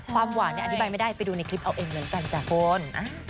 ความหวานเนี่ยอธิบายไม่ได้ไปดูในคลิปเอาเองกันจากคน